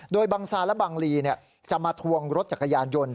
โดยบังซาและบังลีจะมาทวงรถจักรยานยนต์